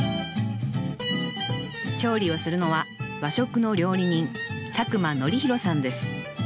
調理をするのは和食の料理人佐久間徳広さんです